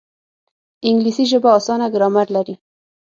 انګلیسي ژبه اسانه ګرامر لري